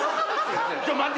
ちょっと待って！